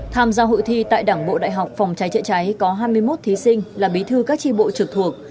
tham gia hội thi tại đảng bộ đại học phòng trái trệ trái có hai mươi một thí sinh là bí thư các chi bộ trực thuộc